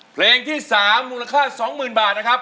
เพลงที่สามมูลค่าสองหมื่นบาทนะครับ